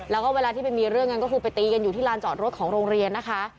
แล้วก็เวลาที่ไปมีเรื่องกันก็คือไปตีกันอยู่ที่ลานจอดรถของโรงเรียนนะคะ